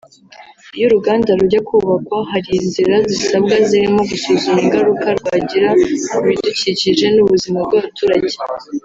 Iyo uruganda rujya kubakwa hari inzira zisabwa zirimo gusuzuma ingaruka rwagira ku bidukikije n’ubuzima bw’abaturage